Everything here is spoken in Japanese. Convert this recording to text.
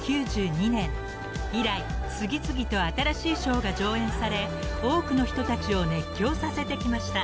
［以来次々と新しいショーが上演され多くの人たちを熱狂させてきました］